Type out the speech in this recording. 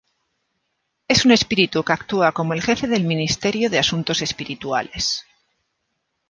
Es un espíritu que actúa como el jefe del Ministerio de Asuntos Espirituales.